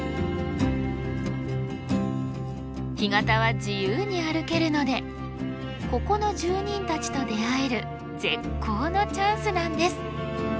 干潟は自由に歩けるのでここの住人たちと出会える絶好のチャンスなんです。